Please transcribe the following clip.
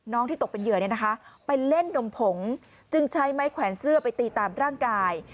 ที่ตกเป็นเหยื่อเนี่ยนะคะไปเล่นดมผงจึงใช้ไม้แขวนเสื้อไปตีตามร่างกาย